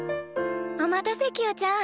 お待たせキヨちゃん。